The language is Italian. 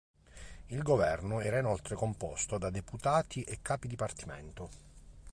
Il governo era inoltre composto da deputati e capi dipartimento.